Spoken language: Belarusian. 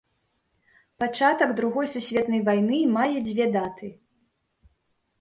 Пачатак другой сусветнай вайны мае дзве даты.